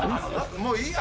もういいや。。